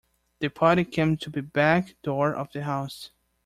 The party came to the back door of the house.